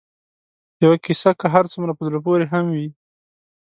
یوه کیسه که هر څومره په زړه پورې هم وي